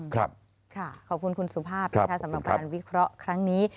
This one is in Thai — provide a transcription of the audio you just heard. ขอบคุณคุณสุภาพนะคะสำหรับการวิเคราะห์ครั้งนี้